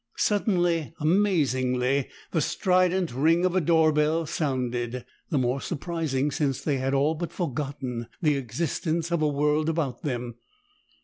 Suddenly, amazingly, the strident ring of a doorbell sounded, the more surprising since they had all but forgotten the existence of a world about them.